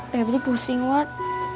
pebri pusing wad